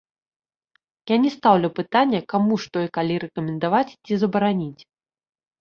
Я не стаўлю пытання, каму што і калі рэкамендаваць ці забараніць.